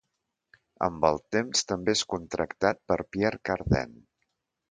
Amb el temps també és contractat per Pierre Cardin.